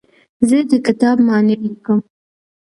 زه د کتاب معنی لیکم.